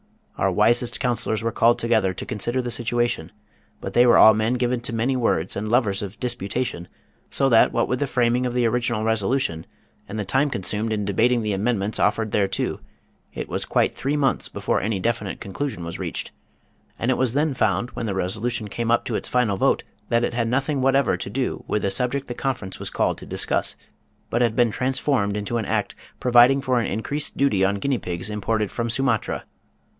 Our wisest counsellors were called together to consider the situation, but they were all men given to many words and lovers of disputation, so that what with the framing of the original resolution, and the time consumed in debating the amendments offered thereto, it was quite three months before any definite conclusion was reached, and it was then found when the resolution came up to its final vote that it had nothing whatever to do with the subject the conference was called to discuss, but had been transformed into an Act providing for an increased duty on guinea pigs imported from Sumatra.